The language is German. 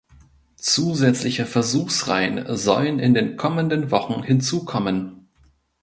Zusätzliche Versuchsreihen sollen in den kommenden Wochen hinzu kommen.